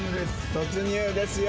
突入ですよ。